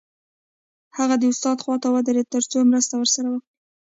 هغه د استاد خواته ودرېد تر څو مرسته ورسره وکړي